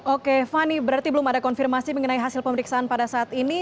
oke fani berarti belum ada konfirmasi mengenai hasil pemeriksaan pada saat ini